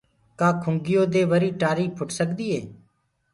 ڪآ کِنگيو دي وري ٽآري ڦوُٽ سڪدي هي۔